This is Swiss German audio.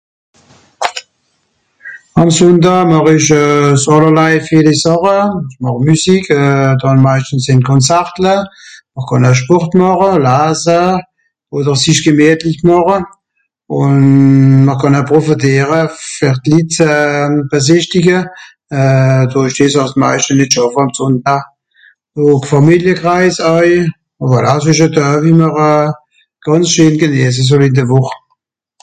Àm Sùnndàà màch ich euh s àllerlei vieli Sàche. Ich màch Müsik euh àllermeischtens in Konzartle. Mr kànn ö Sport màche, laase oder sich gemüetlich màche ùn mr kànn a profetiere fer d Litt ze besìchtige euh dùrich dìss dàss d meischte nìtt schàffe àm Sùnndàà, donc Fàmiliekreis äu, ùn voilà, es isch e Dö wie mr euh scheen geniesse soll in de Wùch.